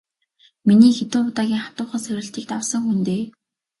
Миний хэдэн удаагийн хатуухан сорилтыг давсан хүн дээ.